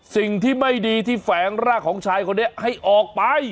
สิ่งที่ไม่ดีที่แฝงร่างของชายคนนี้ให้ออกไป